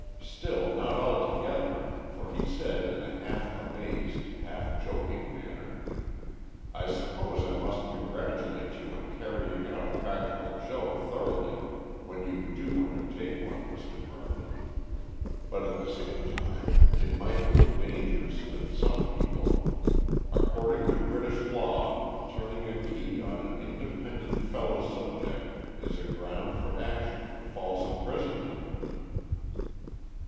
Still, not altogether, for he said in a half amazed, half joking manner: "I suppose I must congratulate you on carrying out a practical joke thoroughly when you do undertake one, Mr Mervyn. But at the same time it might prove dangerous with some people. According to British law turning a key on an independent fellow subject is a ground for action for false imprisonment."